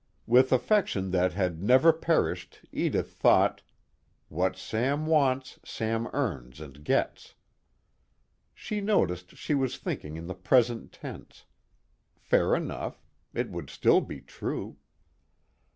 With affection that had never perished, Edith thought: What Sam wants, Sam earns and gets. She noticed she was thinking in the present tense. Fair enough: it would still be true.